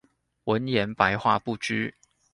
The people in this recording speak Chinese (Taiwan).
文言、白話不拘